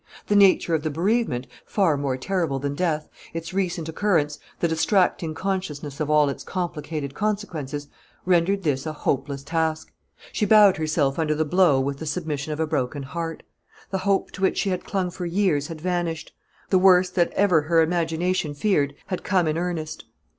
The nature of the bereavement, far more terrible than death its recent occurrence the distracting consciousness of all its complicated consequences rendered this a hopeless task. She bowed herself under the blow with the submission of a broken heart. The hope to which she had clung for years had vanished; the worst that ever her imagination feared had come in earnest.